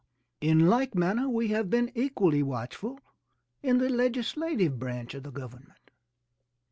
In like manner we have been equally watchful in the legislative branch of the government.